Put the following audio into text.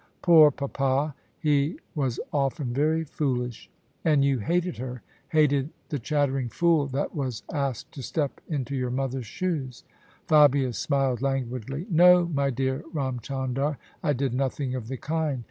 "" Poor Papa! He was often very foolish." " And you hated her — ^hated the chattering fool that was asked to step into your mother's shoes ?" Fabia smiled languidly. " No, my dear Ram Chandar, I did nothing of the kind.